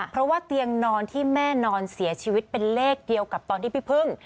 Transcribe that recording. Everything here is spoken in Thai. เพราะว่าเตียงนอนที่แม่นอนเสียชีวิตเป็นเลขเดียวกับตอนที่พี่พึ่ง